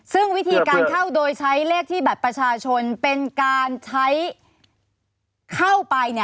ซึ่งวิธีการเข้าโดยใช้เลขที่บัตรประชาชนเป็นการใช้เข้าไป